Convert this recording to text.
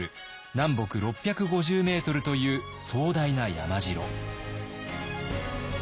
南北６５０メートルという壮大な山城。